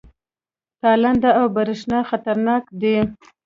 تالنده او برېښنا خطرناک دي؟